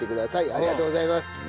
ありがとうございます。